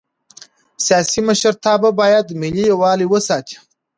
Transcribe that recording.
سیاسي مشرتابه باید ملي یووالی وساتي